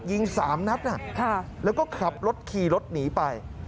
ยิง๓นัดแล้วก็ขับรถขี่รถหนีไป